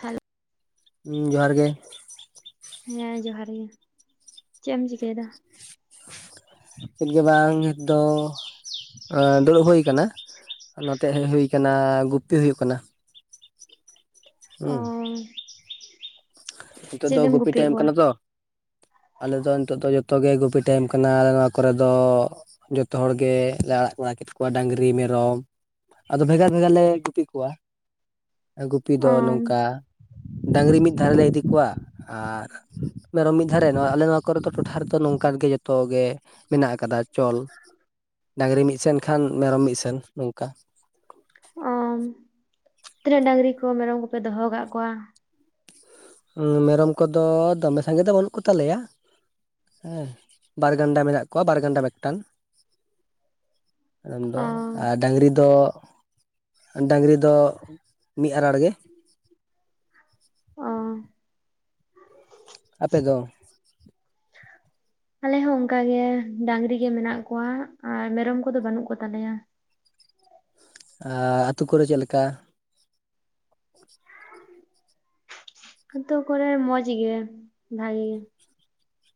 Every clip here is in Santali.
ᱦᱮᱞᱳᱼᱼ ᱦᱩᱸ ᱡᱚᱦᱟᱨ ᱜᱮ ᱦᱮᱸ ᱡᱚᱦᱟᱨ ᱜᱮ ᱪᱮᱫ ᱮᱢ ᱪᱤᱠᱟᱭ ᱫᱟ? ᱪᱮᱫ ᱜᱮ ᱵᱟᱝ ᱱᱤᱛ ᱫᱚᱼᱼ ᱫᱩᱲᱩᱵ ᱦᱩᱭ ᱠᱟᱱᱟ ᱱᱚᱛᱮ ᱦᱮᱡ ᱦᱩᱭ ᱠᱟᱱᱟ ᱜᱩᱯᱛᱤ ᱦᱩᱭᱩᱜ ᱟᱠᱟᱱᱟ᱾ ᱚᱻ ᱱᱤᱛᱚᱜ ᱫᱚ ᱜᱩᱯᱤ ᱴᱟᱭᱤᱢ ᱠᱟᱱᱟ ᱛᱚᱼᱼ ᱟᱞᱮ ᱫᱚ ᱱᱤᱛᱚᱜ ᱫᱚ ᱡᱚᱛᱚ ᱜᱮ ᱜᱩᱯᱤ ᱴᱟᱭᱤᱢ ᱠᱟᱱᱟ ᱟᱞᱮ ᱱᱚᱣᱟ ᱠᱚᱨᱮ ᱫᱚᱼᱼ ᱡᱚᱛᱚ ᱦᱚᱲ ᱜᱮ ᱞᱮ ᱟᱲᱟᱜ ᱵᱟᱲᱟ ᱠᱮᱫ ᱠᱚᱣᱟ ᱰᱟᱹᱝᱨᱤ ᱢᱮᱨᱚᱢ ᱟᱫᱚ ᱵᱷᱮᱜᱟᱨ ᱵᱷᱮᱜᱟᱨ ᱞᱮ ᱜᱩᱯᱤ ᱠᱚᱣᱟ᱾ ᱜᱩᱯᱤ ᱫᱚ ᱚᱢ ᱱᱚᱝᱠᱟ ᱰᱟᱹᱝᱨᱤ ᱢᱤᱫ ᱫᱷᱟᱨᱮ ᱞᱮ ᱤᱫᱤ ᱠᱚᱣᱟ ᱟᱨᱼᱼ ᱢᱮᱨᱚᱢ ᱢᱤᱫ ᱫᱷᱟᱨᱮ ᱱᱚᱣᱟ ᱟᱞᱮ ᱱᱚᱣᱟ ᱠᱚᱨᱮ ᱫᱚ ᱴᱚᱴᱷᱟ ᱨᱮᱫᱚ ᱱᱚᱝ ᱠᱟᱱ ᱜᱮ ᱡᱚᱛᱚ ᱜᱮᱼᱼ ᱢᱮᱱᱟᱜ ᱟᱠᱟᱫᱟ ᱪᱚᱞ ᱰᱟᱹᱝᱨᱤ ᱢᱤᱫ ᱥᱮᱱ ᱠᱷᱟᱱ ᱢᱮᱨᱚᱢ ᱢᱤᱫ ᱥᱮᱱ ᱱᱚᱝᱠᱟ ᱚᱢ ᱛᱤᱱᱟᱹᱜ ᱰᱟᱹᱝᱨᱤ ᱠᱚ ᱢᱮᱨᱚᱢ ᱠᱚᱯᱮ ᱫᱚᱦᱚ ᱠᱟᱜ ᱠᱚᱣᱟ? ᱢᱮᱨᱚᱢ ᱠᱚᱫᱚ ᱫᱚᱢᱮ ᱥᱟᱸᱜᱮ ᱫᱚ ᱵᱟᱹᱱᱩᱜ ᱠᱚ ᱛᱟᱞᱮᱭᱼᱟ᱾ ᱦᱮᱸ ᱵᱟᱨ ᱜᱟᱱᱰᱟ ᱢᱮᱱᱟᱜ ᱠᱚᱣᱟ ᱵᱟᱨ ᱜᱟᱱᱰᱟ ᱢᱤᱫ ᱴᱟᱝ ᱸ [inaudible] ᱟᱫᱚ ᱫᱚ ᱟᱨ ᱰᱟᱹᱝᱨᱤ ᱫᱚ ᱰᱟᱹᱝᱨᱤ ᱫᱚ ᱢᱤᱫ ᱟᱸᱲᱟᱨ ᱜᱮ ᱚᱻ ᱟᱯᱮ ᱫᱚ? ᱟᱞᱮ ᱦᱚᱸ ᱚᱱᱠᱟ ᱜᱮ ᱰᱟᱹᱝᱨᱤ ᱜᱮ ᱢᱮᱱᱟᱜ ᱠᱚᱣᱟ ᱟᱨ ᱢᱮᱨᱚᱢ ᱠᱚᱫᱚ ᱵᱟᱹᱱᱩᱜ ᱠᱚ ᱛᱟᱞᱮᱭᱼᱟ ᱟᱨ ᱟᱹᱛᱳ ᱠᱚᱨᱮ ᱪᱮᱫ ᱞᱮᱠᱟ? ᱟᱹᱛᱳ ᱠᱚᱨᱮ ᱢᱚᱸᱡᱽ ᱜᱮ ᱵᱷᱟᱜᱮ ᱜᱮᱼᱼ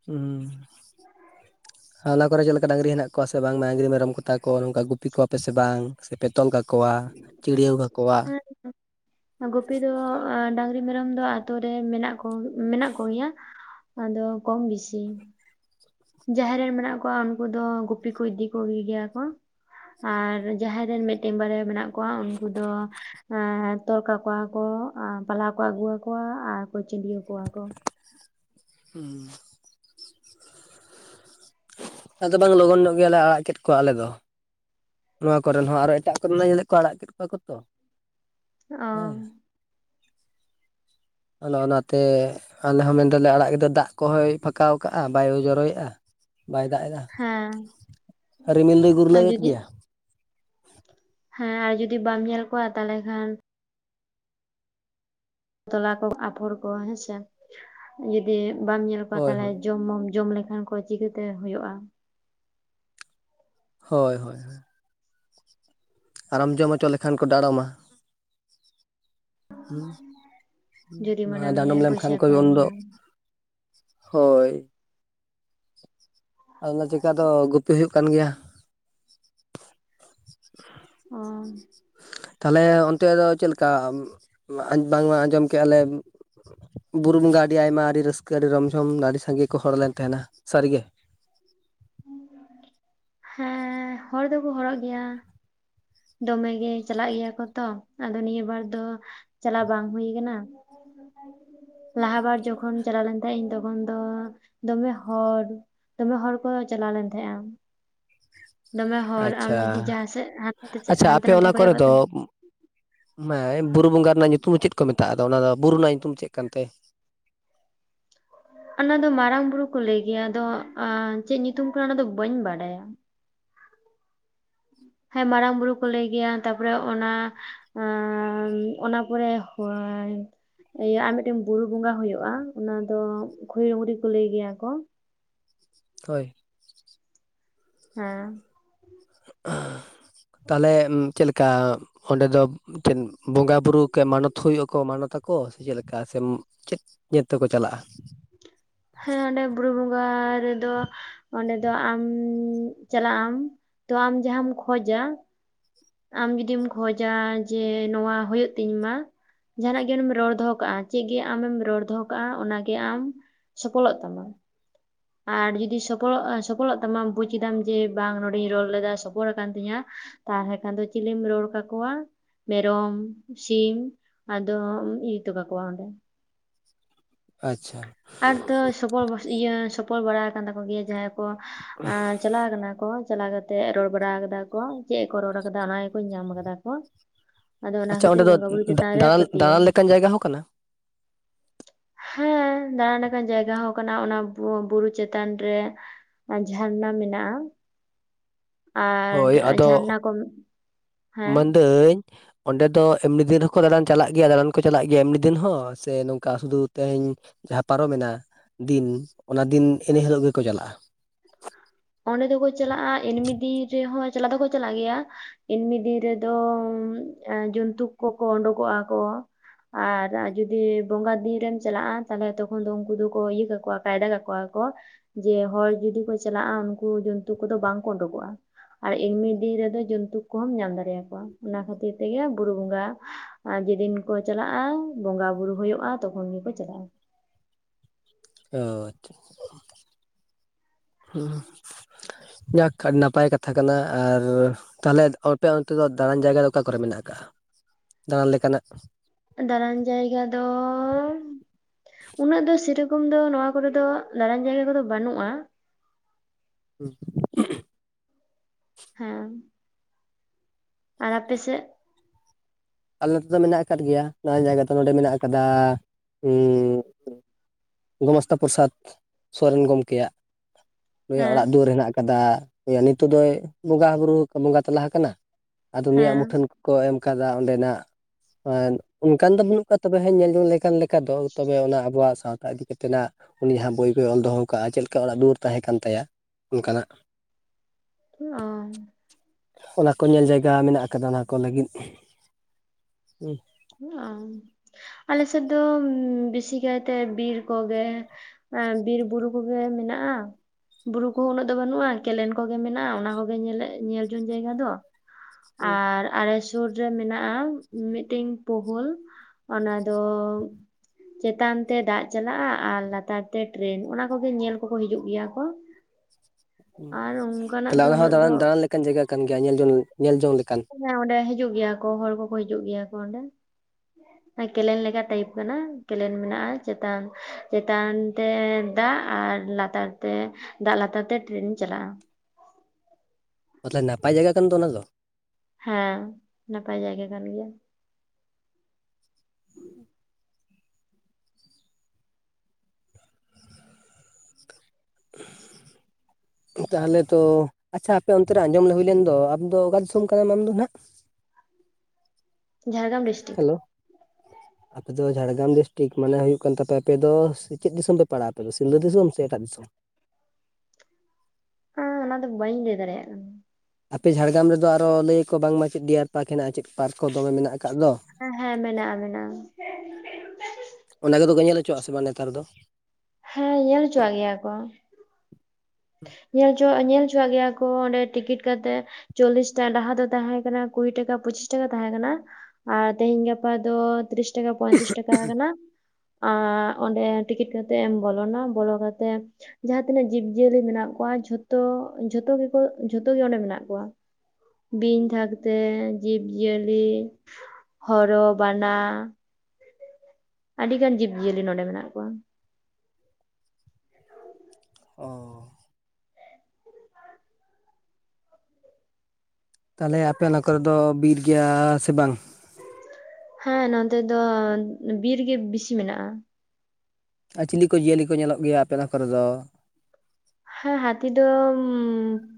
ᱦᱩᱸ [inaudible] ᱟᱨ ᱚᱱᱟ ᱠᱚᱨᱮ ᱪᱮᱫ ᱞᱮᱠᱟ ᱰᱟᱹᱝᱨᱤ ᱦᱮᱱᱟᱜ ᱠᱚᱣᱟ ᱥᱮ ᱵᱟᱝ ᱰᱟᱹᱝᱨᱤ ᱢᱮᱨᱚᱢ ᱠᱚᱛᱟ ᱠᱚ ᱱᱚᱝᱠᱟ ᱜᱩᱯᱤ ᱠᱚᱣᱟ ᱯᱮ ᱥᱮ ᱵᱟᱝ ᱥᱮ ᱯᱮ ᱛᱚᱞ ᱠᱟ ᱠᱚᱣᱟ᱾ ᱪᱤᱲᱭᱟᱹᱣ ᱠᱚ ᱠᱚᱣᱟ [inaudible] ᱜᱩᱯᱤ ᱫᱚ ᱰᱟᱹᱝᱨᱤ ᱢᱮᱨᱚᱢ ᱫᱚ ᱟᱹᱛᱳ ᱨᱮ ᱢᱮᱱᱟᱜ ᱢᱮᱱᱟᱜ ᱠᱚ ᱜᱮᱭᱟ᱾ ᱟᱫᱚ ᱠᱚᱢ ᱵᱤᱥᱤ ᱡᱟᱦᱟᱭ ᱨᱮᱱ ᱢᱮᱱᱟᱜ ᱠᱚᱣᱟ ᱩᱱᱠᱩ ᱫᱚ ᱜᱩᱯᱤ ᱠᱚ ᱤᱫᱤ ᱠᱚ ᱜᱮᱭᱟ ᱠᱚ ᱟᱨ ᱡᱟᱸᱦᱟᱭ ᱨᱮᱱ ᱢᱤᱫ ᱴᱮᱱ ᱵᱟᱨᱭᱼᱟ ᱢᱮᱱᱟᱜ ᱠᱚᱣᱟ ᱩᱱᱠᱩ ᱫᱚ ᱛᱚᱞ ᱠᱟ ᱠᱚᱣᱟ ᱠᱚ ᱟᱨ ᱯᱟᱞᱦᱟ ᱠᱚ ᱟᱹᱜᱩᱣᱟ ᱠᱚᱣᱟ ᱟᱨ ᱪᱟᱹᱰᱤᱭᱟᱹᱣ ᱠᱚᱣᱟ ᱠᱚᱼᱼ ᱦᱩᱸ ᱟᱫᱚ ᱵᱟᱝ ᱞᱚᱜᱚᱱ ᱧᱚᱜ ᱜᱮᱭᱟ ᱞᱮ ᱟᱲᱟᱜ ᱠᱮᱫ ᱠᱚᱣᱟ ᱟᱞᱮ ᱫᱚ᱾ ᱱᱚᱣᱟ ᱠᱚ ᱨᱮᱱ ᱦᱚᱸ ᱟᱨᱚ ᱮᱴᱟᱜ ᱠᱚ ᱨᱮ ᱧᱮᱞ ᱮᱫ ᱠᱚ ᱟᱲᱟᱜ ᱠᱮᱫ ᱠᱚᱣᱟ ᱠᱚ ᱛᱚ᱾ ᱦᱮᱸ ᱚ ᱚᱱᱮ ᱚᱱᱟ ᱛᱮ ᱟᱞᱮ ᱦᱚᱸ ᱢᱮᱱ ᱫᱟᱞᱮ ᱟᱲᱟᱜ ᱮᱫᱟ ᱫᱟᱜ ᱠᱚ ᱦᱚᱭ ᱯᱷᱟᱸᱠᱟᱣ ᱠᱟᱜᱼᱟ ᱵᱟᱭ ᱡᱚᱨᱚᱭ ᱮᱜᱼᱟ᱾ ᱵᱟᱭ ᱫᱟᱜ ᱮᱫᱟ᱾ ᱦᱮᱸ, ᱨᱤᱢᱤᱞ ᱫᱚᱭ ᱟᱨ ᱜᱩᱨᱞᱟᱹᱣᱮᱫ ᱡᱩᱫᱤ ᱜᱮᱭᱟ ᱦᱮᱸ ᱟᱨ ᱡᱩᱫᱤ ᱵᱟᱢ ᱧᱮᱞ ᱠᱚᱣᱟ ᱛᱟᱦᱞᱮ ᱠᱷᱟᱱ ᱛᱚᱞᱟ ᱠᱚ ᱟᱯᱷᱚᱨ ᱠᱚ ᱦᱮᱸᱥᱮ ᱡᱩᱫᱤ ᱵᱟᱢ ᱧᱮᱞ ᱦᱳᱭ ᱦᱳᱭ [unintelligible] ᱡᱚᱢ ᱢᱚᱢ ᱡᱚᱢ ᱞᱮᱠᱷᱟᱱ ᱠᱚ ᱪᱤᱠᱟᱹᱛᱮ ᱦᱳᱭᱳᱜᱼᱟ᱾ ᱦᱳᱭ ᱦᱳᱭ ᱦᱳᱭ ᱟᱨᱚᱢ ᱡᱚᱢ ᱦᱚᱪᱚ ᱞᱮᱠᱷᱟᱱ ᱠᱚ ᱰᱟᱲᱚᱢᱟ ᱾ ᱡᱩᱨᱤ ᱢᱟᱱᱟ ᱢᱮᱭᱟᱭ ᱰᱟᱰᱚᱢ ᱞᱮᱢ ᱯᱚᱭᱥᱟ ᱠᱷᱟᱱ ᱠᱚ ᱠᱚᱭ ᱩᱱ ᱫᱚ, ᱮᱢᱮᱭᱟ ᱦᱳᱭ ᱟᱫᱚ ᱚᱱᱟ ᱪᱮᱠᱟ ᱫᱚ ᱜᱩᱯᱤ ᱦᱩᱭᱩᱜ ᱠᱟᱱ ᱜᱮᱭᱟ᱾ ᱚ ᱛᱟᱦᱚᱞᱮ ᱚᱱᱛᱮ ᱫᱚ ᱪᱮᱫ ᱞᱮᱠᱟ ᱟᱡ ᱵᱟᱝ ᱢᱟ ᱟᱸᱡᱚᱢ ᱠᱮᱫᱟ ᱞᱮ ᱵᱩᱨᱩ ᱵᱚᱸᱜᱟ ᱟᱹᱰᱤ ᱟᱭᱢᱟ ᱟᱹᱰᱤ ᱨᱟᱹᱥᱠᱟᱹ ᱟᱹᱰᱤ ᱨᱚᱢ ᱡᱷᱚᱢ ᱟᱹᱰᱤ ᱥᱟᱸᱜᱮ ᱠᱚ ᱦᱚᱲ ᱞᱮᱱ ᱛᱟᱦᱮᱱᱟ ᱥᱟᱹᱨᱤ ᱜᱮ᱾ ᱦᱮᱸ ᱦᱚᱲ ᱫᱚ ᱠᱚ ᱦᱚᱨᱚᱜ ᱜᱮᱭᱟ᱾ ᱫᱚᱢᱮ ᱜᱮ ᱪᱟᱞᱟᱜ ᱜᱮᱭᱟ ᱠᱚ ᱛᱚ, ᱟᱫᱚ ᱱᱤᱭᱟᱹ ᱵᱟᱨ ᱫᱚ ᱪᱟᱞᱟᱣ ᱵᱟᱝ ᱦᱩᱭ ᱠᱟᱱᱟ᱾ ᱞᱟᱦᱟ ᱵᱟᱨ ᱡᱚᱠᱷᱚᱱ ᱪᱟᱞᱟᱣ ᱞᱮᱱ ᱛᱟᱸᱦᱮ ᱤᱧ ᱛᱚᱠᱷᱚᱱ ᱫᱚ ᱫᱚᱢᱮ ᱦᱚᱲ᱾ ᱫᱚᱢᱮ ᱦᱚᱲ ᱠᱚ ᱪᱟᱞᱟᱣ ᱞᱮᱱ ᱛᱟᱦᱮᱸᱼᱟ᱾ ᱫᱚᱢᱮ ᱦᱚᱲ ᱟᱢ ᱟᱪᱪᱷᱟ ᱡᱩᱫᱤ ᱡᱟᱸᱦᱟᱸ ᱥᱮᱫ ᱦᱟᱱᱛᱮ ᱟᱪᱪᱷᱟ ᱦᱟᱱᱛᱮ ᱱᱟᱛᱮ ᱠᱚᱭᱚᱜ ᱠᱟᱛᱮ ᱢᱟᱹᱭ ᱵᱩᱨᱩ ᱵᱚᱸᱜᱟ ᱨᱮᱱᱟᱜ ᱧᱩᱛᱩᱢ ᱫᱚ ᱪᱮᱫ ᱠᱚ ᱢᱮᱛᱟᱜᱼᱟ, ᱟᱫᱚ ᱚᱱᱟ ᱫᱚ ᱵᱩᱨᱩ ᱨᱮᱱᱟᱜ ᱧᱩᱛᱩᱢ ᱪᱮᱫ ᱠᱟᱱ ᱛᱮ? ᱚᱱᱟ ᱫᱚ ᱢᱟᱨᱟᱝ ᱵᱩᱨᱩ ᱠᱚ ᱞᱟᱹᱭ ᱜᱮᱭᱟ, ᱟᱫᱚ ᱟ ᱪᱮᱫ ᱧᱩᱛᱩᱢ ᱠᱟᱱᱟ ᱚᱱᱟ ᱫᱚ ᱵᱟᱹᱧ ᱵᱟᱰᱟᱭᱟ᱾ ᱦᱮᱸ ᱢᱟᱨᱟᱝ ᱵᱩᱨᱩ ᱠᱚ ᱞᱟᱹᱭ ᱜᱮᱭᱟ, ᱛᱟᱯᱚᱨᱮ ᱚᱱᱟ ᱟᱨ ᱚᱱᱟ ᱯᱚᱨᱮ [unintelligible] ᱤᱭᱟᱹ ᱟᱨ ᱢᱤᱫ ᱴᱮᱱ ᱵᱩᱨᱩ ᱵᱚᱸᱜᱟ ᱦᱳᱭᱳᱜᱼᱟ, ᱚᱱᱟ ᱫᱚ ᱠᱷᱩᱨᱤ ᱰᱩᱝᱨᱤ ᱠᱚ ᱞᱟᱹᱭ ᱜᱮᱭᱟ ᱠᱚ᱾ ᱦᱳᱭ ᱦᱮᱸ ᱛᱟᱦᱞᱮ ᱪᱮᱫ ᱞᱮᱠᱟ ᱚᱸᱰᱮ ᱫᱚ᱾ ᱢᱤᱫ ᱴᱷᱮᱱ ᱵᱚᱸᱜᱟ ᱵᱩᱨᱩ ᱠᱮ ᱢᱟᱱᱚᱛ ᱦᱩᱭᱩᱜ ᱟᱠᱚ ᱢᱟᱱᱚᱛ ᱟᱠᱚ ᱥᱮ ᱪᱮᱫ ᱞᱮᱠᱟ ᱥᱮ ᱪᱮᱫ? ᱡᱚᱛᱚ ᱠᱚ ᱪᱟᱞᱟᱜᱼᱟ᱾ ᱦᱮᱸ ᱚᱸᱰᱮ ᱵᱩᱨᱩ ᱵᱚᱸᱜᱟ ᱨᱮᱫᱚ ᱚᱸᱰᱮ ᱫᱚ ᱟᱢ ᱪᱟᱞᱟᱜ ᱟᱢ ᱛᱚ ᱟᱢ ᱡᱟᱸᱦᱟᱸᱢ ᱠᱷᱚᱡᱟ ᱟᱢ ᱡᱩᱫᱤᱢ ᱠᱷᱚᱡᱟ ᱡᱮ ᱱᱚᱣᱟ ᱦᱳᱭᱳᱜ ᱛᱤᱧ ᱢᱟ᱾ ᱡᱟᱦᱟ ᱱᱟᱜ ᱜᱮᱢ ᱨᱚᱲ ᱫᱚᱦᱚ ᱠᱟᱜᱼᱟ, ᱪᱮᱫ ᱜᱮ ᱟᱢᱮᱢ ᱨᱚᱲ ᱫᱚᱦᱚ ᱠᱟᱜᱼᱟ ᱚᱱᱟ ᱜᱮ ᱟᱢ ᱥᱚᱯᱷᱚ ᱞᱚᱜ ᱛᱟᱢᱟ᱾ ᱟᱨ ᱡᱩᱫᱤ ᱥᱚᱯᱷᱚᱞᱚᱜ ᱥᱚᱯᱷᱚᱞᱚᱜ ᱛᱟᱢᱟ ᱵᱩᱡᱽ ᱠᱮᱫᱟᱢ ᱡᱮ ᱵᱟᱝ ᱱᱚᱰᱮᱧ ᱨᱚᱲ ᱞᱮᱫᱟ ᱥᱚᱯᱷᱚᱞ ᱟᱠᱟᱱ ᱛᱤᱧᱟ᱾ ᱛᱟᱦᱚᱞᱮ ᱠᱷᱟᱱ ᱫᱚ ᱪᱤᱞᱤᱢ ᱨᱚᱲ ᱠᱟᱠᱚᱣᱟ ᱢᱮᱨᱚᱢ ᱥᱤᱢ ᱟᱫᱚᱢ ᱤᱫᱤ ᱦᱚᱴᱚ ᱠᱟᱠᱚᱣᱟ ᱚᱸᱰᱮ᱾ ᱟᱪᱪᱷᱟ ᱟᱨ ᱛᱚ ᱥᱚᱯᱷᱚᱞ ᱤᱭᱟᱹ ᱥᱚᱯᱷᱚᱞ ᱵᱟᱲᱟ ᱟᱠᱟᱱ ᱛᱟᱠᱚ ᱜᱮᱭᱟ ᱡᱟᱦᱟᱸᱭ ᱠᱚ ᱟᱨ ᱪᱟᱞᱟᱣ ᱠᱟᱱᱟ ᱠᱚ ᱪᱟᱞᱟᱣ ᱠᱟᱛᱮ ᱨᱚᱲ ᱵᱟᱲᱟ ᱠᱟᱫᱟ ᱠᱚ ᱪᱮᱫ ᱠᱚ ᱨᱚᱲ ᱠᱟᱫᱟ ᱚᱱᱟ ᱜᱮᱠᱚ ᱧᱟᱢ ᱠᱟᱫᱟ ᱠᱚ᱾ ᱟᱫᱚ ᱚᱱᱟ ᱟᱪᱪᱷᱟ ᱠᱷᱟᱹᱛᱤᱨ ᱚᱸᱰᱮ ᱫᱚ ᱵᱚᱸᱜᱟᱼᱵᱩᱨᱩ ᱪᱮᱛᱟᱱ ᱨᱮ ᱫᱟᱬᱟᱱ ᱯᱟᱹᱛᱭᱟᱹᱣ᱾ ᱫᱟᱬᱟᱱ ᱞᱮᱠᱟᱱ ᱡᱟᱭᱜᱟ ᱦᱚᱸ ᱠᱟᱱᱟ? ᱦᱮᱸ ᱫᱟᱲᱟᱱ ᱞᱮᱠᱟᱱ ᱡᱟᱭᱜᱟ ᱦᱚᱸ ᱠᱟᱱᱟ ᱚᱱᱟ ᱵᱩ ᱵᱩᱨᱩ ᱪᱮᱛᱟᱱ ᱨᱮ ᱡᱷᱟᱨᱱᱟ ᱢᱮᱱᱟᱜᱼᱟ, ᱟᱨ ᱦᱳᱭ ᱟᱫᱚ ᱡᱷᱟᱨᱱᱟ ᱠᱚ ᱦᱮᱸ ᱢᱟᱹᱱ ᱫᱟᱹᱧ, ᱚᱸᱰᱮ ᱫᱚ ᱮᱢᱱᱤ ᱫᱤᱱ ᱨᱮᱦᱚᱸ ᱠᱚ ᱫᱟᱬᱟᱱ ᱪᱟᱞᱟᱜ ᱜᱮᱭᱟ ᱫᱟᱬᱟᱱ ᱠᱚ ᱪᱟᱞᱟᱜ ᱜᱮᱭᱟ ᱮᱢᱱᱤ ᱫᱤᱱ ᱦᱚᱸ ᱥᱮ ᱱᱚᱝᱠᱟ ᱥᱩᱫᱩ ᱛᱮᱦᱮᱧ, ᱡᱟᱦᱟᱸ ᱯᱟᱨᱚᱢᱮᱱᱟ ᱫᱤᱱ ᱚᱱᱟ ᱫᱤᱱ ᱤᱱᱟᱹ ᱦᱤᱞᱳᱜ ᱜᱮᱠᱚ ᱪᱟᱞᱟᱜᱼᱟ, ᱚᱸᱰᱮ ᱫᱚᱠᱚ ᱪᱟᱞᱟᱜᱼᱟ ᱮᱢᱱᱤ ᱫᱤᱱ ᱨᱮᱦᱚᱸ ᱪᱟᱞᱟ ᱫᱚᱠᱚ ᱪᱟᱞᱟᱜ ᱜᱮᱭᱟ, ᱮᱢᱱᱤ ᱫᱤᱱ ᱨᱮᱫᱚ ᱮ ᱡᱚᱱᱛᱩ ᱠᱚᱠᱚ ᱩᱸᱰᱩ ᱠᱚᱜ ᱟᱠᱚ, ᱟᱨ ᱡᱩᱫᱤ ᱵᱚᱸᱜᱟ ᱫᱤᱱ ᱨᱮᱢ ᱪᱟᱞᱟᱜᱼᱟ ᱛᱟᱦᱚᱞᱮ ᱛᱚᱠᱷᱚᱱ ᱫᱚ ᱩᱱᱠᱩ ᱫᱚᱠᱚ ᱤᱭᱟᱹ ᱠᱟᱠᱚᱣᱟ ᱠᱟᱭᱫᱟ ᱠᱟᱠᱚ ᱟᱠᱚ, ᱡᱮ ᱦᱚᱲ ᱡᱩᱫᱤ ᱠᱚ ᱪᱟᱞᱟᱜᱼᱟ ᱩᱱᱠᱩ ᱡᱚᱱᱛᱩ ᱠᱚᱫᱚ ᱵᱟᱝ ᱠᱚ ᱩᱰᱩ ᱠᱚᱜᱼᱟ, ᱟᱨ ᱮᱢᱱᱤ ᱫᱤᱱ ᱨᱮᱫᱚ ᱡᱚᱱᱛᱩ ᱠᱚ ᱦᱚᱸᱢ ᱧᱟᱢ ᱫᱟᱲᱮᱭᱟ ᱠᱚᱣᱟ ᱚᱱᱟ ᱠᱷᱟᱹᱛᱤᱨ ᱛᱮᱜᱮ ᱵᱩᱨᱩ ᱵᱚᱸᱜᱟ, ᱟᱨ ᱡᱮ ᱫᱤᱱ ᱠᱚ ᱪᱟᱞᱟᱜᱼᱟ ᱵᱚᱸᱜᱟ ᱵᱩᱨᱩᱳ ᱦᱳᱭᱳᱜᱼᱟ ᱛᱚᱠᱷᱚᱱ ᱜᱮᱠᱚ ᱪᱟᱞᱟᱜᱼᱟ, ᱚ ᱟᱪᱪᱟ ᱟᱪᱪᱷᱟ ᱟᱪᱪᱷᱟ ᱩᱸ ᱡᱟᱠ ᱟᱹᱰᱤ ᱱᱟᱯᱟᱭ ᱠᱟᱛᱷᱟ ᱠᱟᱱᱟ ᱟᱨ, ᱛᱟᱦᱚᱞᱮ ᱟᱯᱮ ᱚᱱᱛᱮ ᱫᱚ ᱫᱟᱬᱟᱱ ᱡᱟᱭᱜᱟ ᱫᱚ ᱚᱠᱟ ᱠᱚᱨᱮ ᱢᱮᱱᱟᱜ ᱟᱠᱟᱜᱼᱟ ᱫᱟᱬᱟᱱ ᱞᱮᱠᱟ ᱱᱟᱜ, ᱫᱟᱬᱟᱱ ᱡᱟᱭᱜᱟ ᱫᱚ, ᱩᱱᱟᱹᱜ ᱫᱚ ᱥᱮ ᱨᱚᱠᱚᱢ ᱫᱚ ᱱᱚᱣᱟ ᱠᱚᱨᱮ ᱫᱚ ᱫᱟᱬᱟᱱ ᱡᱟᱭᱜᱟ ᱠᱚᱫᱚ ᱵᱟᱹᱱᱩᱜᱼᱟ, ᱦᱩᱸ ᱦᱩᱸ ᱟᱨ ᱟᱯᱮᱥᱮᱫ? ᱟᱞᱮ ᱱᱚᱛᱮ ᱫᱚ ᱢᱮᱱᱟᱜ ᱟᱠᱟᱫ ᱜᱮᱭᱟ ᱱᱚᱣᱟ ᱡᱟᱭᱜᱟ ᱫᱚ ᱱᱚᱰᱮ ᱢᱮᱱᱟᱜ ᱟᱠᱟᱫᱟ ᱦᱩᱸ ᱜᱳᱢᱚᱥᱛᱟ ᱯᱨᱚᱥᱟᱫᱽ ᱥᱚᱨᱮᱱ ᱜᱚᱢᱠᱮᱭᱟᱜ, ᱩᱱᱤᱭᱟᱜ ᱦᱮᱸ ᱚᱲᱟᱜ ᱫᱩᱣᱟᱹᱨ ᱦᱮᱱᱟᱜ ᱟᱠᱟᱫᱟ ᱱᱤᱛᱚᱜ ᱫᱚᱭ ᱵᱚᱸᱜᱟ ᱵᱩᱨᱩ ᱵᱚᱸᱜᱟ ᱛᱟᱞᱟ ᱟᱠᱟᱱᱟ ᱟᱫᱚ ᱩᱱᱤᱭᱟᱜ ᱦᱮᱸ ᱢᱩᱴᱷᱟᱹᱱ ᱠᱚᱠᱚ ᱮᱢ ᱟᱠᱟᱫᱟ ᱚᱸᱰᱮᱱᱟᱜ ᱚᱱᱠᱟᱱ ᱫᱚ ᱵᱟᱹᱱᱩᱜᱼᱟ ᱵᱮ ᱦᱮ ᱧᱮᱞ ᱡᱚᱝ ᱞᱮᱠᱟᱱ ᱞᱮᱠᱟ ᱠᱟ ᱫᱚ ᱛᱚᱵᱮ ᱚᱱᱟ ᱟᱵᱚᱣᱟᱜ ᱥᱟᱶᱛᱟᱼᱼ ᱚᱱᱟ ᱤᱫᱤ ᱠᱟ ᱠᱟᱛᱮᱫᱱᱟᱜ ᱩᱱᱤ ᱡᱟᱦᱟᱸ ᱵᱳᱭ ᱠᱚᱭ ᱚᱞ ᱫᱚᱦᱚ ᱠᱟᱜᱼᱟ, ᱪᱮᱫ ᱞᱮᱠᱟ ᱚᱲᱟᱜ ᱫᱩᱣᱟᱹᱨ ᱛᱟᱦᱮᱸ ᱠᱟᱱ ᱛᱟᱭᱟ ᱚᱱᱠᱟᱱᱟᱜ ᱚ ᱚᱱᱟ ᱠᱚ ᱧᱮᱞ ᱡᱟᱭᱜᱟ ᱢᱮᱱᱟᱜ ᱟᱠᱟᱫᱟ ᱚᱱᱟ ᱠᱚ ᱞᱟᱹᱜᱤᱫ, ᱦᱩᱸ ᱚ ᱟᱞᱮ ᱥᱮᱫ ᱫᱚ ᱵᱮᱥᱤ ᱠᱟᱭᱛᱮ ᱵᱤᱨ ᱠᱚᱜᱮ, ᱵᱤᱨ ᱵᱩᱨᱩ ᱠᱚᱜᱮ ᱢᱮᱱᱟᱜᱼᱟ, ᱵᱩᱨᱩ ᱠᱚᱦᱚᱸ ᱩᱱᱟᱹᱜ ᱫᱚ ᱵᱟᱹᱱᱩᱜᱼᱟ ᱠᱮᱱᱮᱱ ᱠᱚᱜᱮ ᱢᱮᱱᱟᱜᱼᱟ ᱚᱱᱟ ᱠᱚᱜᱮ ᱧᱮᱞᱮᱫ ᱧᱮᱞ ᱡᱚᱝ ᱡᱟᱭᱜᱟ ᱫᱚ, ᱟᱨ ᱟᱞᱮ ᱥᱩᱨ ᱨᱮ ᱢᱮᱱᱟᱜᱼᱟ ᱢᱤᱫᱴᱤᱱ, ᱯᱳᱦᱳᱞ ᱚᱱᱟ ᱫᱚ, ᱪᱮᱛᱟᱱ ᱛᱮ ᱫᱟᱜ ᱪᱟᱞᱟᱜᱼᱟ ᱟᱨ ᱞᱟᱛᱟᱨ ᱛᱮ ᱴᱮᱨᱮᱱ ᱚᱱᱟ ᱠᱚᱜᱮ ᱧᱮᱞ ᱠᱚᱠᱚ ᱦᱤᱡᱩᱜ ᱜᱮᱭᱟ ᱠᱚ, ᱟᱨ ᱚᱱᱠᱟᱱᱟᱜ ᱛᱟᱦᱚᱞᱮ ᱫᱚ ᱚᱱᱟ ᱦᱚᱸ ᱩᱱᱟᱹᱜ ᱫᱚ ᱫᱟᱬᱟᱱ ᱫᱟᱬᱟᱱ ᱞᱮᱠᱟᱱ ᱡᱟᱭᱜᱟ ᱠᱟᱱ ᱜᱮᱭᱟ ᱧᱮᱞ ᱡᱚᱝ ᱧᱮᱞ ᱡᱚᱝ ᱞᱮᱠᱟᱱ ᱦᱮᱸ ᱚᱸᱰᱮ ᱦᱤᱡᱩᱜ ᱜᱮᱭᱟ ᱠᱚ ᱦᱚᱲ ᱠᱚᱠᱚ ᱦᱤᱡᱩᱜ ᱜᱮᱭᱟ ᱠᱚ ᱚᱸᱰᱮ, ᱠᱮᱱᱮᱞ ᱞᱮᱠᱟ ᱴᱟᱭᱤᱯ ᱠᱟᱱᱟ ᱠᱮᱱᱮᱞ ᱢᱮᱱᱟᱜᱼᱟ ᱪᱮᱛᱟᱱ ᱪᱮᱛᱟᱱ ᱛᱮ ᱫᱟᱜ ᱟᱨ ᱞᱟᱛ ᱛᱟᱨ ᱛᱮ ᱫᱟᱜ ᱞᱟᱛᱟᱨ ᱛᱮ ᱴᱮᱨᱮᱱ ᱪᱟᱞᱟᱜᱼᱟ ᱛᱟᱦᱞᱮ ᱱᱟᱯᱟᱭ ᱡᱟᱭᱜᱟ ᱠᱟᱱ ᱫᱚ ᱚᱱᱟ ᱫᱚ, ᱦᱮᱸ ᱱᱟᱯᱟᱭ ᱡᱟᱭᱜᱟ ᱠᱟᱱ ᱜᱮᱭᱟ, [unintelligible] ᱛᱟᱦᱚᱞᱮ ᱛᱚ ᱟᱪᱪᱷᱟ ᱟᱯᱮ ᱚᱱᱛᱮ ᱨᱮ ᱟᱸᱡᱚᱢ ᱦᱩᱭ ᱞᱮᱱ ᱫᱚ ᱟᱢᱫᱚ ᱚᱠᱟ ᱫᱤᱥᱚᱢ ᱠᱟᱱᱟᱢ ᱟᱢᱫᱚ ᱦᱟᱜ? ᱡᱷᱟᱲᱜᱮᱨᱟᱢ ᱰᱤᱥᱴᱤᱠ [inaudible] ᱟᱯᱮ ᱡᱷᱟᱲᱜᱮᱨᱟᱢ ᱰᱤᱥᱴᱤᱠ ᱢᱟᱱᱮ ᱦᱩᱭᱩᱜ ᱠᱟᱱ ᱛᱟᱯᱮᱭᱟ ᱟᱯᱮ ᱫᱚ ᱪᱮᱫ ᱫᱤᱥᱚᱢ ᱯᱮ ᱯᱟᱲᱟᱜ ᱟᱯᱮ ᱫᱚ ᱥᱤᱞᱫᱟᱹ ᱫᱤᱥᱚᱢ ᱥᱮ ᱮᱴᱟᱜ ᱫᱤᱥᱚᱢ? ᱮᱸ ᱚᱱᱟᱫᱚ ᱵᱟᱹᱧ‌ ᱞᱮᱹᱭ ᱫᱟᱲᱮᱭᱟᱜ ᱠᱟᱱᱟ᱾ ᱟᱯᱮ ᱡᱷᱟᱲᱜᱟᱢ ᱨᱮᱫᱚ ᱟᱨᱚ ᱞᱟᱹᱭ ᱟᱠᱚ ᱵᱟᱝᱢᱟ ᱪᱮᱫ ᱰᱤᱭᱟᱨ ᱯᱟᱨᱠ ᱦᱮᱱᱟᱜᱼᱟ ᱪᱮᱫ ᱯᱟᱨᱠ ᱠᱚ ᱫᱚᱢᱮ ᱢᱮᱱᱟᱜ ᱠᱟᱜ ᱫᱚ? ᱦᱮᱸ ᱦᱮᱸ ᱢᱮᱱᱟᱜᱼᱟ ᱢᱮᱱᱟᱜᱼᱟ᱾ ᱚᱱᱟᱠᱚᱫᱚ ᱠᱚ ᱧᱮᱞ ᱚᱪᱚᱜᱼᱟ ᱥᱮ ᱵᱟᱝ ᱱᱮᱛᱟᱨ ᱫᱚ? ᱦᱮᱸ ᱧᱮᱞ ᱦᱚᱪᱚᱣᱟᱜ ᱜᱮᱭᱟ ᱠᱚ᱾ ᱧᱮᱞᱪᱚ ᱧᱮᱞ ᱦᱚᱪᱚᱣᱟᱜ ᱜᱮᱭᱟ ᱠᱚ ᱚᱸᱰᱮ ᱴᱤᱠᱤᱴ ᱠᱟᱛᱮᱜ᱾ ᱪᱚᱞᱤᱥ ᱴᱟ ᱞᱟᱦᱟ ᱫᱚ ᱛᱟᱦᱮᱸ ᱠᱟᱱᱟ ᱠᱩᱲᱤ ᱴᱟᱠᱟ ᱯᱚᱸᱪᱤᱥ ᱴᱟᱠᱟ ᱛᱟᱦᱮᱸ ᱠᱟᱱᱟ᱾ ᱟᱨ ᱛᱮᱦᱮᱧ ᱜᱟᱯᱟ ᱫᱚ ᱛᱤᱨᱤᱥ ᱴᱟᱠᱟ ᱯᱚᱸᱭᱛᱤᱨᱤᱥ ᱴᱟᱠᱟᱣ ᱠᱟᱱᱟ᱾ ᱟᱸ ᱚᱸᱰᱮ ᱴᱤᱠᱤᱴ ᱠᱟᱛᱮᱜ ᱮᱢ ᱵᱚᱞᱚᱱᱟ ᱵᱚᱞᱚ ᱠᱟᱛᱮᱜ ᱡᱟᱦᱟᱸ ᱛᱤᱱᱟᱹᱜ ᱡᱤᱵ ᱡᱤᱭᱟᱹᱞᱤ ᱢᱮᱱᱟᱜ ᱠᱚᱣᱟ ᱡᱷᱚᱛᱚ ᱡᱷᱚᱛᱚ ᱜᱮᱠᱚ ᱡᱷᱚᱛᱚ ᱜᱮ ᱚᱸᱰᱮ ᱢᱮᱱᱟᱜ ᱠᱚᱣᱟ᱾ ᱵᱤᱧ ᱛᱷᱟᱠᱟᱛᱮ ᱡᱤᱵᱽ ᱡᱤᱭᱟᱹᱞᱤ ᱦᱚᱨᱚ, ᱵᱟᱱᱟ᱾ ᱟᱹᱰᱤ ᱜᱟᱱ ᱡᱤᱵᱽ ᱡᱤᱭᱟᱹᱞᱤ ᱱᱚᱸᱰᱮ ᱢᱮᱱᱟᱜ ᱠᱚᱣᱟ᱾ ᱚ ᱛᱟᱦᱞᱮ ᱟᱯᱮ ᱚᱱᱟ ᱠᱚᱨᱮ ᱫᱚ ᱵᱤᱨ ᱜᱮᱭᱟ ᱥᱮ ᱵᱟᱝ? ᱦᱮᱸ ᱱᱚᱛᱮ ᱫᱚ ᱵᱤᱨ ᱜᱮ ᱵᱤᱥᱤ ᱢᱮᱱᱟᱜᱼᱟ᱾ ᱟ ᱪᱤᱞᱤ ᱠᱚ ᱡᱤᱭᱟᱹᱞᱤ ᱠᱚ ᱧᱮᱞᱚᱜ ᱜᱮᱭᱟ ᱟᱯᱮ ᱚᱱᱟ ᱠᱚᱨᱮ ᱫᱚ? ᱦᱮᱸ ᱦᱟᱹᱛᱤ ᱫᱚ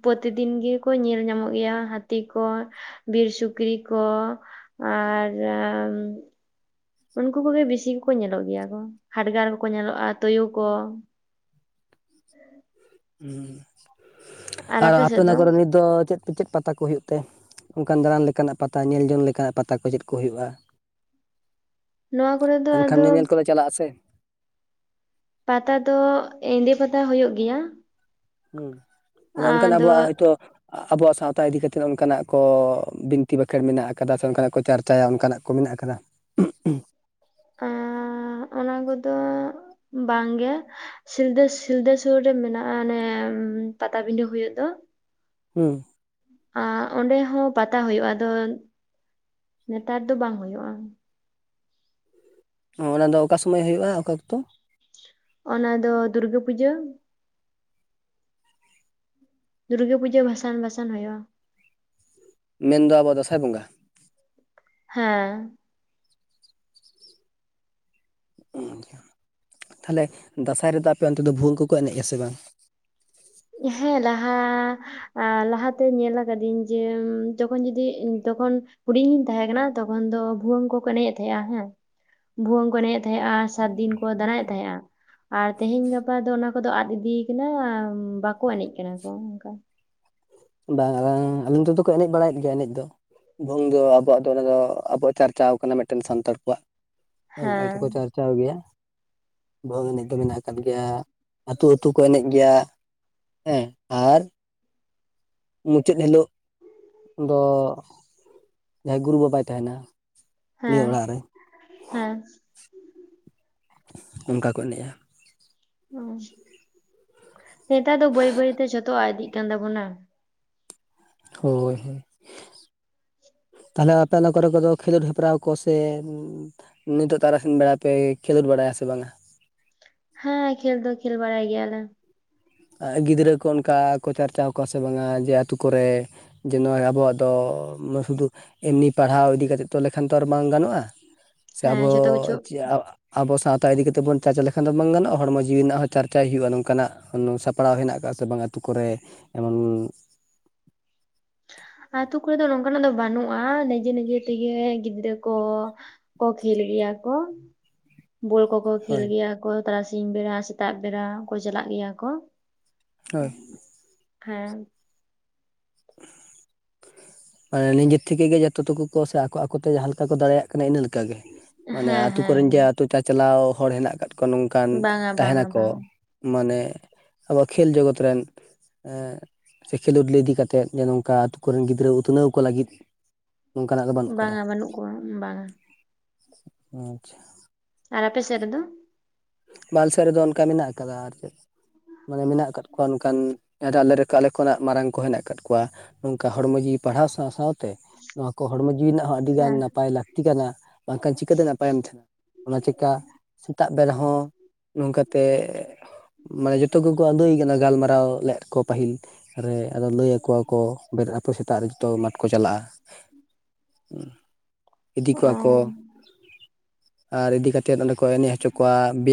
ᱯᱨᱛᱤ ᱫᱤᱱ ᱜᱮᱠᱚ ᱧᱮᱞ ᱧᱟᱢᱚᱜ ᱜᱮᱭᱟ ᱦᱟᱹᱛᱤ ᱠᱚ᱾ ᱵᱤᱨ ᱥᱩᱠᱨᱤ ᱠᱚ ᱟᱨ ᱩᱱᱠᱩ ᱠᱚᱜᱮ ᱵᱤᱥᱤ ᱠᱚᱠᱚ ᱧᱮᱞᱚᱜ ᱜᱮᱭᱟ ᱠᱚ, ᱦᱟᱰᱜᱟᱨ ᱠᱚᱠᱚ ᱧᱮᱞᱚᱜᱼᱟ ᱛᱳᱭᱳ ᱠᱚ᱾ ᱟᱨ ᱟᱯᱮ ᱚᱱᱟ ᱠᱚᱨᱮ ᱱᱤᱛ ᱫᱚ ᱪᱮᱫ ᱪᱮᱫ ᱯᱟᱛᱟ ᱠᱚ ᱦᱩᱭᱩᱜ ᱛᱮ ᱚᱝᱠᱟᱱ ᱫᱟᱬᱟᱱ ᱞᱮᱠᱟᱱᱟᱜ ᱯᱟᱛᱟ ᱧᱮᱞ ᱡᱚᱝ ᱞᱮᱠᱟᱱᱟᱜ ᱯᱟᱛᱟ ᱠᱚ ᱪᱮᱫ ᱠᱚ ᱦᱩᱭᱩᱜᱼᱟ? ᱱᱚᱣᱟ ᱠᱚᱨᱮ ᱫᱚ ᱟᱫᱚ ᱠᱚ ᱪᱟᱞᱟᱜᱼᱟ ᱥᱮ ᱯᱟᱛᱟ ᱫᱚ ᱮᱸᱫᱮ ᱯᱟᱛᱟ ᱦᱩᱭᱩᱜ ᱜᱮᱭᱟ᱾ ᱦᱩᱸ ᱟᱪᱟ ᱚᱝᱠᱟᱱ ᱟᱫᱚ ᱟᱵᱚᱣᱟᱜ ᱦᱳᱭᱛᱚ ᱟᱵᱚᱣᱟᱜ ᱥᱟᱶᱛᱟ ᱤᱫᱤ ᱠᱟᱛᱮᱫ ᱚᱱᱠᱟᱱᱟᱜ ᱠᱚ ᱵᱤᱱᱛᱤ ᱵᱟᱠᱷᱮᱬ ᱢᱮᱱᱟᱜ ᱟᱠᱟᱫᱟ ᱥᱮ ᱚᱱᱠᱟᱱᱟᱜ ᱠᱚ ᱪᱟᱨᱪᱟᱭᱟ ᱚᱝᱠᱟᱱᱟᱜ ᱠᱚ ᱢᱮᱱᱟᱜ ᱟᱠᱟᱫᱟ? ᱮᱸ ᱚᱱᱟ ᱠᱚᱫᱚ ᱵᱟᱝ ᱜᱮ᱾ ᱥᱤᱞᱫᱟᱹ ᱥᱤᱞᱫᱟᱹ ᱥᱩᱨ ᱨᱮ ᱢᱮᱱᱟᱜᱼᱟ ᱚᱱᱮ ᱯᱟᱛᱟᱵᱤᱸᱰᱟᱹ ᱦᱩᱭᱩᱜ ᱫᱚ᱾ ᱦᱩᱸ ᱟᱸ ᱚᱸᱰᱮ ᱦᱚᱸ ᱯᱟᱛᱟ ᱦᱩᱭᱩᱜᱼᱟ, ᱟᱫᱚ ᱱᱮᱛᱟᱨ ᱫᱚ ᱵᱟᱝ ᱦᱩᱭᱩᱜᱼᱟ᱾ ᱚ ᱚᱱᱟ ᱫᱚ ᱚᱠᱟ ᱥᱚᱢᱚᱭ ᱦᱩᱭᱩᱜᱼᱟ ᱚᱠᱟ ᱚᱠᱛᱚ? ᱚᱱᱟ ᱫᱚ ᱫᱩᱨᱜᱟᱹ ᱯᱩᱡᱟᱹ ᱫᱩᱨᱜᱟᱹ ᱯᱩᱡᱟᱹ ᱵᱷᱟᱥᱟᱱ ᱵᱟᱥᱟᱱ ᱦᱩᱭᱩᱜᱼᱟ᱾ ᱢᱮᱱ ᱫᱚ ᱟᱵᱚ ᱫᱟᱸᱥᱟᱭ ᱵᱚᱸᱜᱟ? ᱦᱮᱸ ᱛᱟᱦᱞᱮ ᱫᱟᱸᱥᱟᱭ ᱨᱮᱫᱚ ᱟᱯᱮ ᱚᱱᱛᱮ ᱫᱚ ᱵᱷᱩᱣᱟᱹᱝ ᱠᱚᱠᱚ ᱮᱱᱮᱡᱼᱟ ᱥᱮ ᱵᱟᱝ? ᱦᱮᱸ ᱞᱟᱦᱟ ᱮᱸ ᱞᱟᱦᱟᱛᱮ ᱧᱮᱞ ᱠᱟᱫᱤᱧ ᱡᱮ ᱡᱚᱠᱷᱚᱱ ᱡᱩᱫᱤ ᱛᱚᱠᱷᱚᱱ ᱦᱩᱰᱤᱧᱤᱧ ᱛᱟᱦᱮᱸ ᱠᱟᱱᱟ ᱛᱚᱠᱷᱚᱱ ᱫᱚ ᱵᱷᱩᱣᱟᱹᱝ ᱠᱚᱠᱚ ᱮᱱᱮᱡ ᱮᱫ ᱛᱟᱦᱮᱸᱜᱼᱟ ᱦᱮᱸ᱾ ᱵᱷᱩᱣᱟᱹᱝ ᱠᱚ ᱮᱱᱮᱡᱮᱜ ᱛᱟᱦᱮᱸᱜᱼᱟ ᱥᱟᱛ ᱫᱤᱱ ᱠᱚ ᱫᱬᱟᱭᱮᱜ ᱛᱟᱦᱮᱸᱜ-ᱟ᱾ ᱟᱨ ᱛᱮᱦᱮᱧ ᱜᱟᱯᱟ ᱫᱚ ᱚᱱᱟ ᱠᱚᱫᱚ ᱟᱫ ᱤᱫᱤᱭ ᱠᱟᱱᱟ ᱵᱟᱠᱚ ᱮᱱᱮᱡ ᱠᱟᱱᱟ ᱠᱚ ᱚᱝᱠᱟ᱾ ᱵᱟᱝ ᱟᱞᱟᱝ ᱟᱹᱞᱤᱧ ᱱᱚᱛᱮ ᱫᱚᱠᱚ ᱮᱱᱮᱡ ᱵᱟᱲᱟᱭᱮᱜ ᱜᱮᱭᱟ ᱮᱱᱮᱡ ᱫᱚ᱾ ᱵᱷᱩᱝ ᱫᱚ ᱟᱵᱚᱣᱟᱜ ᱫᱚ ᱚᱱᱟ ᱫᱚ ᱟᱵᱚᱣᱟᱜ ᱪᱟᱨᱪᱟᱣ ᱠᱟᱱᱟ ᱢᱤᱫᱴᱮᱱ ᱥᱟᱱᱛᱟᱲ ᱠᱚᱣᱟᱜ᱾ ᱦᱮᱸ ᱚᱱᱟ ᱫᱚᱠᱚ ᱪᱟᱨᱪᱟᱣ ᱜᱮᱭᱟ, ᱵᱷᱩᱣᱟᱹᱝ ᱮᱱᱮᱡ ᱫᱚ ᱢᱮᱱᱟᱜ ᱠᱟᱫ ᱜᱮᱭᱟ᱾ ᱟᱹᱛᱩ ᱟᱹᱛᱩ ᱠᱚ ᱮᱱᱮᱡ ᱜᱮᱭᱟ ᱦᱮᱸ ᱟᱨᱼᱼ ᱢᱩᱪᱟᱹᱫ ᱦᱤᱞᱳᱜ ᱫᱚ ᱡᱟᱦᱟᱸᱭ ᱜᱩᱨᱩ ᱵᱟᱵᱟᱭ ᱛᱟᱦᱮᱱᱟ ᱩᱱᱤ ᱦᱮᱸ ᱚᱲᱟᱜ ᱨᱮ ᱦᱮᱸ ᱚᱱᱠᱟ ᱠᱚ ᱮᱱᱮᱡᱼᱟ ᱦᱩᱸ ᱱᱮᱛᱟᱨ ᱫᱚ ᱵᱟᱹᱭ ᱵᱟᱹᱭ ᱛᱮ ᱡᱷᱚᱛᱚᱣᱟᱜ ᱟᱫ ᱤᱫᱤᱜ ᱠᱟᱱ ᱛᱟᱵᱚᱱᱟ ᱦᱳᱭ ᱦᱳᱭ ᱛᱟᱦᱚᱞᱮ ᱟᱯᱮ ᱚᱱᱟ ᱠᱚ ᱨᱮ ᱠᱚᱫᱚ ᱠᱷᱮᱞᱳᱰ ᱦᱮᱯᱨᱟᱣ ᱠᱚ ᱥᱮ [unintelligible] ᱱᱤᱛᱚᱜ ᱛᱟᱨᱟᱥᱤᱱ ᱵᱮᱲᱟ ᱯᱮ ᱠᱷᱮᱞᱳᱰ ᱵᱟᱲᱟᱭᱟ ᱥᱮ ᱵᱟᱝᱟ ᱦᱮᱸ ᱠᱷᱮᱞ ᱫᱚ ᱠᱷᱮᱞ ᱵᱟᱲᱟᱭ ᱜᱮᱭᱟᱞᱮ ᱟ ᱜᱤᱫᱽᱨᱟᱹ ᱠᱚ ᱚᱱᱠᱟ ᱠᱚ ᱪᱟᱨᱪᱟᱣ ᱠᱚᱣᱟ ᱥᱮ ᱵᱟᱝᱼᱟ ᱡᱮ ᱟᱹᱛᱩ ᱠᱚ ᱨᱮᱼᱼ ᱡᱮ ᱱᱚᱜ-ᱚᱭ ᱟᱵᱚᱣᱟᱜ ᱫᱚ [unintelligible] ᱥᱩᱫᱩᱼᱼ ᱮᱢᱱᱤ ᱯᱟᱲᱦᱟᱣ ᱤᱫᱤ ᱠᱟᱛᱮᱫ ᱛᱚ ᱞᱮᱠᱷᱟᱱ ᱛᱚ ᱟᱨ ᱵᱟᱝ ᱜᱟᱱᱚᱜ-ᱟ ᱥᱮ ᱦᱮᱸ ᱟᱵᱚ ᱡᱷᱚᱛᱚ ᱠᱤᱪᱷᱩ ᱪᱮᱫ [unintelligible] ᱟᱵᱚ ᱥᱟᱶᱛᱟ ᱤᱫᱤ ᱠᱟᱛᱮᱫ ᱵᱚᱱ ᱪᱟᱨᱪᱟ ᱞᱮᱠᱷᱟᱱ ᱫᱚ ᱵᱟᱝ ᱜᱟᱱᱚᱜᱼᱟ ᱦᱚᱲᱢᱚ ᱡᱤᱣᱤ ᱨᱮᱱᱟᱜ ᱦᱚᱸ ᱪᱟᱨᱪᱟᱭ ᱦᱩᱭᱩᱜ-ᱟ ᱱᱚᱝᱠᱟ ᱱᱟᱜᱼᱼ [unintelligible] ᱥᱟᱯᱲᱟᱣ ᱦᱮᱱᱟᱜ ᱟᱠᱟᱫ ᱥᱮ ᱵᱟᱝ ᱟᱹᱛᱩ ᱠᱚ ᱨᱮ ᱮᱢᱚᱱᱼᱼ ᱟᱹᱛᱩ ᱠᱚ ᱨᱮ ᱫᱚ ᱱᱚᱝᱠᱟᱱᱟᱜ ᱫᱚ ᱵᱟᱹᱱᱩᱜ-ᱟ ᱱᱤᱡᱮ ᱱᱤᱡᱮ ᱛᱮ ᱜᱮ ᱜᱤᱫᱽᱨᱟᱹ ᱠᱚᱼᱼ ᱠᱚ ᱠᱷᱮᱞ ᱜᱮᱭᱟ ᱠᱚ ᱵᱚᱞ ᱠᱚ ᱠᱚᱼᱼ ᱠᱚ ᱠᱷᱮᱞ ᱦᱳᱭ ᱜᱮᱭᱟ ᱠᱚ ᱛᱟᱨᱟᱥᱤᱧ ᱵᱮᱲᱟ ᱥᱮᱛᱟᱜ ᱵᱮᱲᱟ ᱠᱚ ᱪᱟᱞᱟᱜ ᱜᱮᱭᱟ ᱠᱚ ᱦᱳᱭ ᱦᱮᱸ ᱢᱟᱱᱮ ᱱᱤᱡᱮᱨ ᱛᱷᱮᱠᱮ ᱜᱮ ᱡᱚᱛᱚ ᱴᱩᱠᱩ ᱠᱚ ᱥᱮ ᱟᱠᱚ ᱟᱠᱚ ᱛᱮ ᱡᱟᱦᱟᱸ ᱞᱮᱠᱟ ᱠᱚ ᱫᱟᱲᱮᱭᱟᱜᱼᱟ ᱤᱱᱟᱹ ᱞᱮᱠᱟ ᱜᱮ ᱢᱟᱱᱮ ᱦᱮᱸ ᱟᱛᱳ ᱠᱚ ᱦᱮᱸ ᱨᱮᱱ ᱡᱮ ᱟᱛᱳ ᱪᱟᱪᱟᱞᱟᱣ ᱦᱚᱲ ᱦᱮᱱᱟᱜ ᱟᱠᱟᱫ ᱠᱚᱣᱟ ᱱᱚᱝᱠᱟᱼᱼ ᱚᱱᱠᱟᱱ ᱵᱟᱝᱟ ᱛᱟᱦᱮᱱ ᱵᱟᱝᱟ ᱟᱠᱚ ᱵᱟᱝᱟ ᱢᱟᱱᱮ ᱟᱵᱚᱣᱟᱜ ᱠᱷᱮᱞ ᱡᱚᱜᱚᱛ ᱨᱮᱱᱼᱼ ᱥᱮ ᱠᱷᱮᱞᱳᱰ ᱞᱮ ᱤᱫᱤ ᱠᱟᱛᱮᱜ ᱡᱮ ᱱᱚᱝᱠᱟ ᱟᱛᱳ ᱠᱚ ᱨᱮᱱ ᱜᱤᱫᱽᱨᱟᱹᱼᱼ ᱩᱛᱱᱟᱹᱣ ᱠᱚ ᱞᱟᱹᱜᱤᱫ ᱱᱚᱝᱠᱟ ᱱᱟᱜ ᱫᱚ ᱵᱟᱹᱱᱩᱜ ᱠᱟᱫᱟ ᱵᱟᱝᱟ ᱵᱟᱹᱱᱩᱜ ᱠᱚᱣᱟ ᱵᱟᱝᱟ ᱚ ᱟᱪᱪᱷᱟ ᱟᱨ ᱟᱯᱮ ᱥᱮᱫ ᱨᱮ ᱫᱚᱼᱼ ᱵᱟᱞ ᱥᱮᱫ ᱨᱮ ᱫᱚ ᱚᱱᱠᱟ ᱢᱮᱱᱟᱜ ᱟᱠᱟᱫᱟ ᱟᱨ ᱪᱮᱫᱼᱼ ᱢᱟᱱᱮ ᱢᱮᱱᱟᱜ ᱟᱠᱟᱫ ᱠᱚᱣᱟ ᱱᱚᱝᱠᱟᱱ ᱟᱞᱮ ᱟᱞᱮ ᱠᱷᱚᱱᱟᱜ ᱢᱟᱨᱟᱝ ᱠᱚ ᱦᱮᱱᱟᱜ ᱟᱠᱟᱫ ᱠᱚᱣᱟ ᱱᱚᱝᱠᱟ ᱦᱚᱲᱢᱚ ᱡᱤᱣᱤ ᱯᱟᱲᱦᱟᱣ ᱥᱟᱶ ᱥᱟᱶ ᱛᱮ ᱱᱚᱣᱟ ᱠᱚ ᱦᱚᱲᱢᱚ ᱡᱤᱣᱤ ᱨᱮᱱᱟᱜ ᱦᱚᱸ ᱟᱹᱰᱤ ᱜᱟᱱ ᱦᱮᱸ ᱱᱟᱯᱟᱭ ᱞᱟᱠᱛᱤᱼᱼ [unintelligible] ᱠᱟᱱᱟ ᱵᱟᱝ ᱠᱷᱟᱱ ᱪᱤᱠᱟᱹ ᱛᱮ ᱱᱟᱯᱟᱭ ᱮᱢ ᱛᱟᱦᱮᱱᱟ ᱚᱱᱟ ᱪᱤᱠᱟ ᱥᱮᱛᱟᱜ ᱵᱮᱲᱟᱼᱼ ᱱᱚᱝᱠᱟ ᱛᱮ ᱢᱟᱱᱮ ᱡᱚᱛᱚ ᱠᱚ ᱠᱚ ᱟᱫᱳᱭ ᱠᱟᱱᱟ ᱜᱟᱞᱢᱟᱨᱟᱣ ᱞᱮᱫ ᱠᱚᱼᱼ ᱯᱟᱹᱦᱤᱞ ᱨᱮ ᱟᱫᱚ ᱞᱟᱹᱭ ᱟᱠᱚᱣᱟ ᱠᱚ ᱟᱹᱛᱩ ᱥᱮᱛᱟᱜ ᱨᱮ ᱡᱚᱛᱚ ᱢᱟᱴᱷ ᱠᱚ ᱪᱟᱞᱟᱜᱼᱟ ᱤᱫᱤ ᱠᱚᱣᱟ ᱠᱚᱼᱼ ᱚ ᱟᱨ ᱤᱫᱤ ᱠᱟᱛᱮᱫ ᱚᱸᱰᱮ ᱠᱚ ᱮᱱᱮᱡ ᱦᱚᱪᱚ ᱠᱚᱣᱟ ᱵᱮᱭᱟᱢ